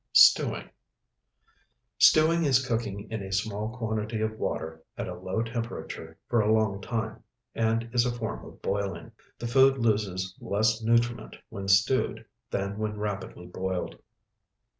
STEWING Stewing is cooking in a small quantity of water at a low temperature for a long time, and is a form of boiling. The food loses less nutriment when stewed than when rapidly boiled.